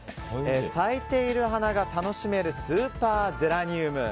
咲いている花が楽しめるスーパーゼラニウム。